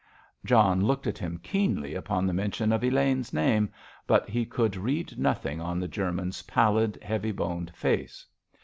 John looked at him keenly upon the mention of Elaine's name, but he could read nothing on the German's pallid, heavy boned face.